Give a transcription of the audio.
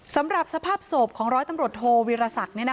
สำหรับสภาพศพของร้อยตำรวจโทวิรสัก